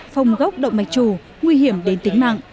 phòng gốc động mạch chủ nguy hiểm đến tính mạng